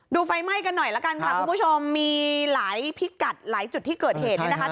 ไฟไหม้กันหน่อยละกันค่ะคุณผู้ชมมีหลายพิกัดหลายจุดที่เกิดเหตุเนี่ยนะคะ